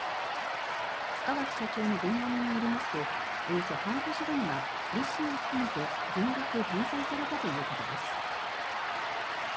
塚脇社長の弁護人によりますとおよそ半年後には利子を含めて全額返済されたということです。